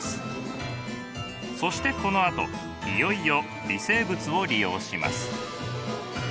そしてこのあといよいよ微生物を利用します。